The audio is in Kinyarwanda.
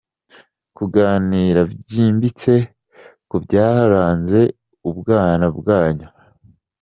Kuganira byimbitse ku byaranze ubwana bwanyu .